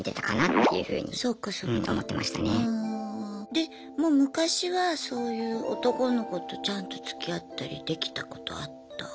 でもう昔はそういう男の子とちゃんとつきあったりできたことあった？